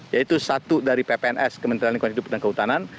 yaitu satu dari ppns kementerian lingkungan hidup dan kehutanan